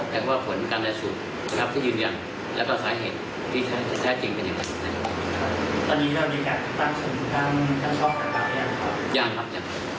แปลงว่าผลการได้สูตรถ้ายืนยังแล้วก็สาเหตุที่แท้จริงเป็นยังไง